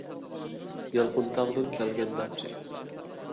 يالقۇنتاغدىن كەلگەن داپچى.